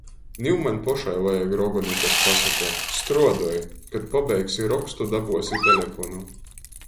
Niu maņ pošai vajag rogonu, kas pasoka: "Struodoj! Kod pabeigsi rokstu, dabuosi teleponu!"